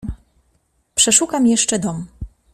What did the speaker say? "Przeszukam jeszcze dom."